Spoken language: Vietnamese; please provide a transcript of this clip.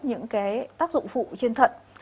những cái tác dụng phụ trên thận